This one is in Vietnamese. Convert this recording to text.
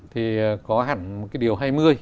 thì có hẳn một cái điều hai mươi